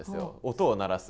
音を鳴らす。